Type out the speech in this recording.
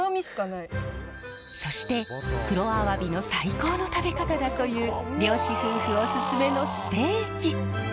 そして黒アワビの最高の食べ方だという漁師夫婦おすすめのステーキ。